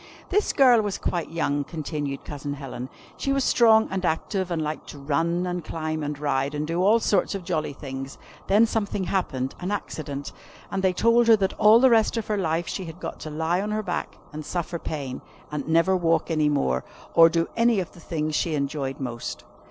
"This girl was quite young," continued Cousin Helen; "she was strong and active, and liked to run, and climb, and ride, and do all sorts of jolly things. One day something happened an accident and they told her that all the rest of her life she had got to lie on her back and suffer pain, and never walk any more, or do any of the things she enjoyed most."